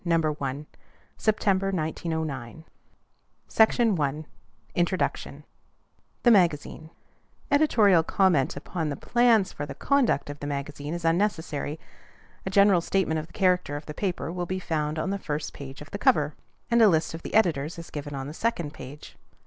Number 1. PHILADELPHIA, SEPTEMBER, 1909 $1.00 a year 15 cents a copy THE MAGAZINE. Editorial comment upon the plans for the conduct of the MAGAZINE is unnecessary. A general statement of the character of the paper will be found on the first page of the cover, and a list of the editors is given on the second page.